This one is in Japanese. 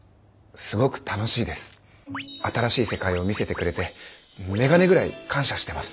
新しい世界を見せてくれて眼鏡ぐらい感謝してます。